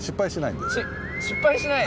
失敗しない？